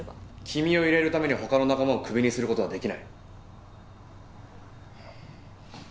君を入れるために他の仲間をクビにする事はできない。